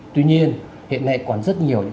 tuy nhiên hiện nay còn rất nhiều